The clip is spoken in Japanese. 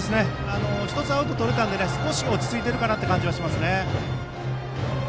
１つアウトがとれたので少し落ち着いているかなという気がします。